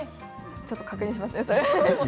ちょっと確認します。